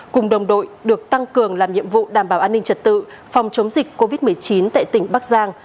cùng đồng đội được tăng cường làm nhiệm vụ đảm bảo an ninh trật tự phòng chống dịch covid một mươi chín tại tỉnh bắc giang